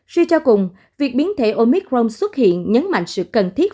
suy cho cùng việc biến thể omicron xuất hiện nhấn mạnh sự cần thiết